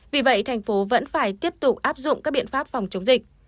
vì vậy tp hcm vẫn phải tiếp tục áp dụng các biện pháp phòng chống dịch